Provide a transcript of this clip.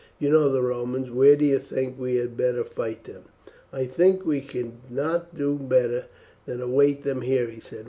You know the Romans; where do you think we had better fight them?" "I think we could not do better than await them here," he said.